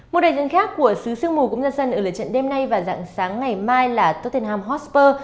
một đại diện khác của xứ sương mù cũng giang sân ở lời trận đêm nay và dặn sáng ngày mai là tottenham hotspur